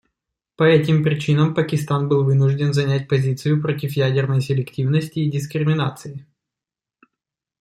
По этим причинам Пакистан был вынужден занять позицию против ядерной селективности и дискриминации.